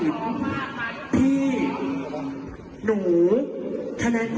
ทะยมนาคทำหนึ่งตัวหนูไม่มีคะแนนยังเองเหรอ